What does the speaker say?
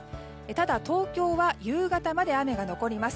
ただ、東京は夕方まで雨が残ります。